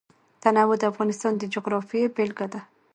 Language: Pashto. تنوع د افغانستان د جغرافیې بېلګه ده.